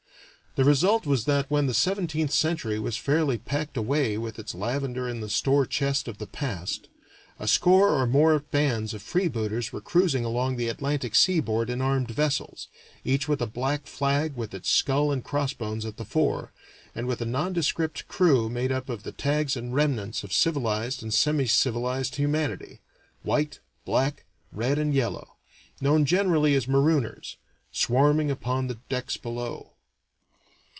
The result was that when the seventeenth century was fairly packed away with its lavender in the store chest of the past, a score or more bands of freebooters were cruising along the Atlantic seaboard in armed vessels, each with a black flag with its skull and crossbones at the fore, and with a nondescript crew made up of the tags and remnants of civilized and semicivilized humanity (white, black, red, and yellow), known generally as marooners, swarming upon the decks below.